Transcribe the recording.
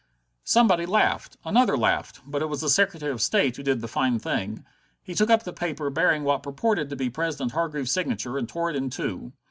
Somebody laughed: another laughed: but it was the Secretary of State who did the fine thing. He took up the paper bearing what purported to be President Hargreaves's signature, and tore it in two.